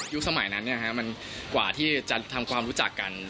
สมัยนั้นมันกว่าที่จะทำความรู้จักกัน